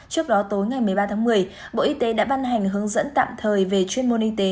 trước đó tối ngày một mươi ba tháng một mươi bộ y tế đã ban hành hướng dẫn tạm thời về chuyên môn y tế